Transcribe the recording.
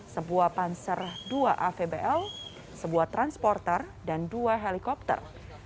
sebuah panser dua avbl sebuah transporter dan dua helikopter